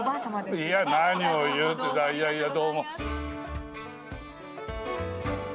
いや何を言ういやいやどうも。